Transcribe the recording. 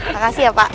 makasih ya pak